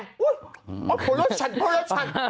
โอ้โฮโคตรโรสชันโคตรโรสชัน